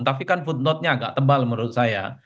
tapi kan footnote nya agak tebal menurut saya